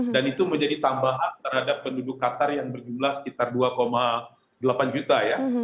dan itu menjadi tambahan terhadap penduduk qatar yang berjumlah sekitar dua delapan juta ya